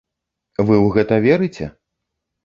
Вы ў гэта верыце?